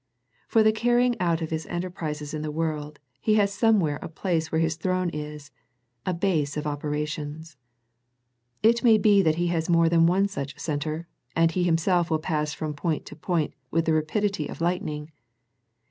For the carrying out of his enterprises in the world, he has somewhere a place where his throne is, a base of operations. It may be that he has more than one such centre, and he himself will pass from point to point with the rapidity of light ning.